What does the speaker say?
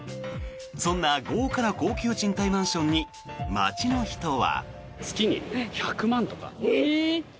そんな豪華な高級賃貸マンションに街の人は。